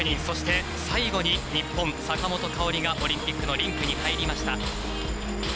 そして、最後に日本、坂本花織がオリンピックのリンクに入りました。